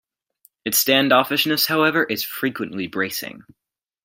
Its stand-offishness, however, is frequently bracing.